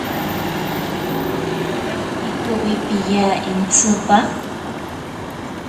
Pikowi piya intsipa.